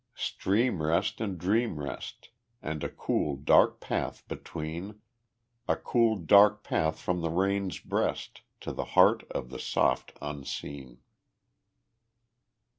Stream rest and dream rest, And a cool, dark path between A cool, dark path from the rain's breast To the heart of the soft unseen.